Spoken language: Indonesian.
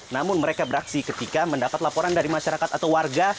namun mereka beraksi ketika mendapat laporan dari masyarakat atau warga